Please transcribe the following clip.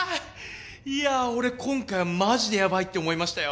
いやあ俺今回はマジでやばいって思いましたよ。